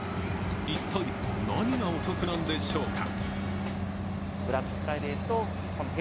一体、何がお得なんでしょうか。